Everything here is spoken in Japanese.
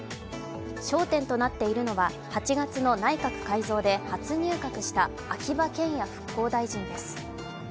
焦点となっているのは８月の内閣改造で初入閣した秋葉賢也復興大臣です。